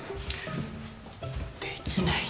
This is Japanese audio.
できないよ